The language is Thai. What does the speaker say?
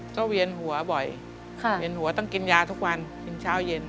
ก็เวียนหัวบ่อยต้องกินยาทุกวันจนเช้าเย็น